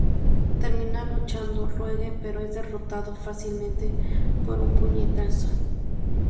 Termina luchando Rogue pero es derrotado fácilmente por un puñetazo.